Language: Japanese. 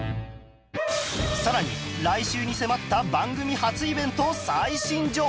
さらに来週に迫った番組初イベント最新情報